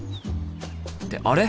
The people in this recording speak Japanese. ってあれ！？